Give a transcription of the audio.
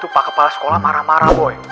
pak kepala sekolah marah marah